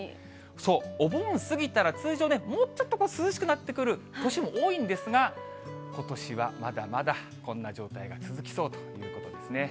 そう、お盆過ぎたら通常ね、もうちょっと涼しくなってくる年も多いんですが、ことしはまだまだこんな状態が続きそうということですね。